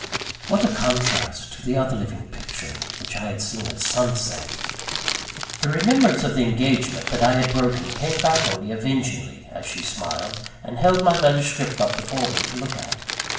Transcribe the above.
What a contrast to the other living picture which I had seen at sunset! The remembrance of the engagement that I had broken came back on me avengingly, as she smiled, and held my manuscript up before me to look at.